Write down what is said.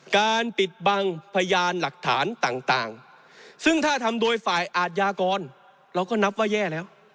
การปิดบังพยานหลักฐานต่างซึ่งถ้าทำโดยฝ่ายอาทยากรเราก็นับว่าแย่แล้ว